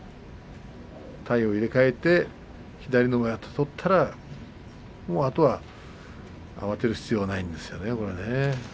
体を入れ替えて左の上手を取ったらあとは慌てる必要はないんですよね。